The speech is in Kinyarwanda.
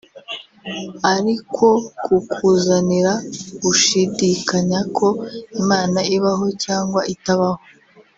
ari kwo kukuzanira gushidikanya ko Imana ibaho cyangwa itabaho